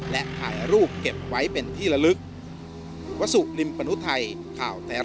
และถ่ายรูปเก็บไว้เป็นที่ละลึก